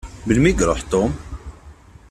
Melmi i iṛuḥ Tom?